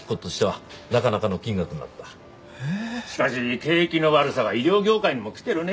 しかし景気の悪さは医療業界にもきてるねえ。